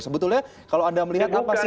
sebetulnya kalau anda melihat apa sih